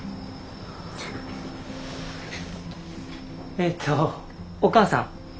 えっとお母さん？